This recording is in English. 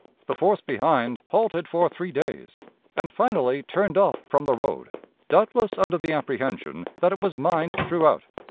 "The force behind halted for three days, and finally turned off from the road, doubtless under the apprehension that it was mined throughout.